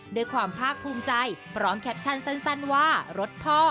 ด้วยความภาคภูมิใจพร้อมแคปชั่นสั้นว่ารถพ่อ